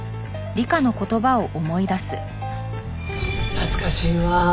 懐かしいわ。